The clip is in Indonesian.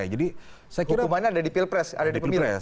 hukumannya ada di pilpres ada di pemilu ya